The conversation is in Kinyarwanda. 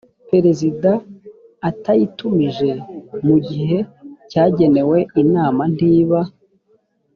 perezida atayitumije mu gihe cyagenwe inama ntiba